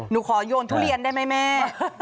หนูขอโยนทุเรียนได้ไหมแม่